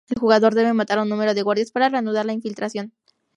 El jugador debe matar a un número de guardias para reanudar la infiltración.